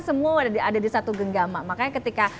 semua ada di satu genggama makanya ketika